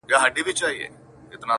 د شاعرۍ ياري كړم-